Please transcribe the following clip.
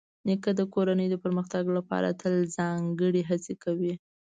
نیکه د کورنۍ د پرمختګ لپاره تل ځانګړې هڅې کوي.